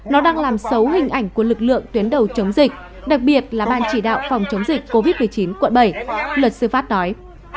nó đang làm xấu hình ảnh của lực lượng tuyến đầu chống dịch đặc biệt là ban chỉ đạo phòng chống dịch covid một mươi chín quận bảy luật sư phát nói